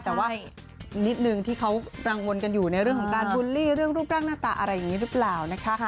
แต่ว่านิดนึงที่เขากังวลกันอยู่ในเรื่องของการบูลลี่เรื่องรูปร่างหน้าตาอะไรอย่างนี้หรือเปล่านะคะ